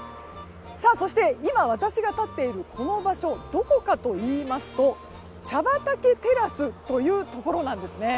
そして、今私が立っているこの場所どこかといいますと茶畑テラスというところなんです。